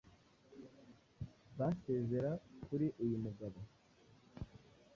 basezera kuri uyu mugabo